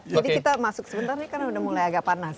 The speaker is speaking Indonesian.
jadi kita masuk sebentar karena sudah mulai agak panas